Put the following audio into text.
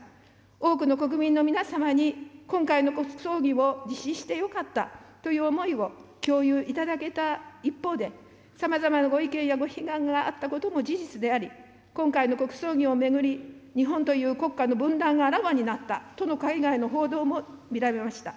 多くの国民の皆様に今回の国葬儀を実施してよかったという思いを共有いただけた一方で、さまざまなご意見やご批判があったことも事実であり、今回の国葬議を巡り、日本という国家の分断があらわになったとの海外の報道も見られました。